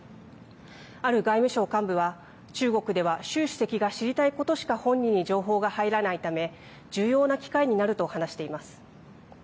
ある外務省幹部は中国では習主席が知りたいことしか本人に情報が入らないため重要な機会になると話しています。